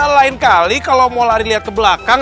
lain kali kalau mau lari lihat ke belakang